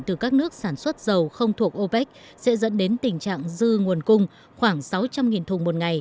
từ các nước sản xuất dầu không thuộc opec sẽ dẫn đến tình trạng dư nguồn cung khoảng sáu trăm linh thùng một ngày